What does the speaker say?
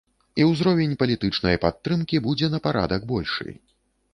І ўзровень палітычнай падтрымкі будзе на парадак большы.